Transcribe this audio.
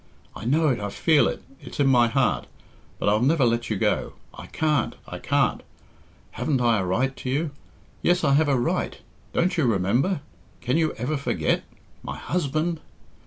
I know it, I feel it, it's in my heart. But I'll never let you go. I can't, I can't. Haven't I a right to you? Yes, I have a right. Don't you remember?... Can you ever forget?... My _husband!